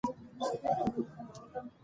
علم د پوهې د پراختیا لار ده.